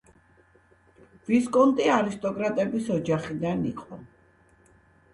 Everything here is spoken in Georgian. ვისკონტი არისტოკრატების ოჯახიდან იყო.